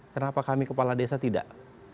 kenapa kami kepala desa tidak